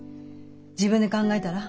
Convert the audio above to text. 自分で考えたら？